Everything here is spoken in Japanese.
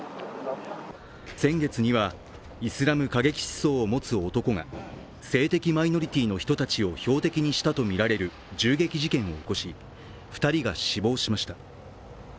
先月には、イスラム過激思想を持つ男が性的マイノリティーの人たちを標的にしたとみられる銃撃事件を起こし、２人が死亡しました。